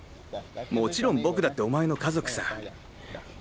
もちろん僕だってお前の家族さ。